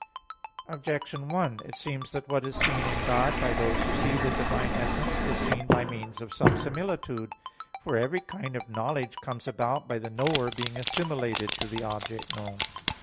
Objection 1: It seems that what is seen in God by those who see the Divine essence, is seen by means of some similitude. For every kind of knowledge comes about by the knower being assimilated to the object known.